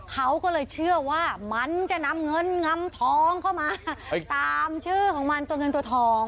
เขาก็เลยเชื่อว่ามันจะนำเงินงำทองเข้ามาตามชื่อของมันตัวเงินตัวทอง